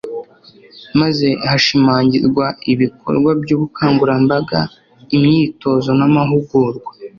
maze hashimangirwa ibikorwa by'ubukangurambaga, imyitozo n'amahugurwa.